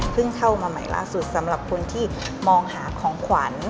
เข้ามาใหม่ล่าสุดสำหรับคนที่มองหาของขวัญ